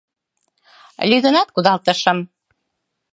Лӱдынат кудалтышым.